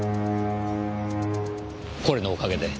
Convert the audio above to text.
これのおかげで。